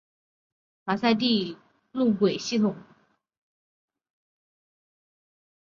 马赛地铁为胶轮路轨系统。